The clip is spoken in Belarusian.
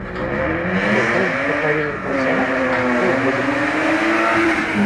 Але той, хто павінен працаваць, той будзе працаваць.